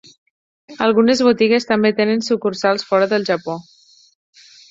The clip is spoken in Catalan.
Algunes botigues també tenen sucursals fora del Japó.